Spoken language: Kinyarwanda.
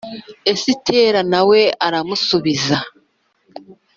esitera na we aramusubiza,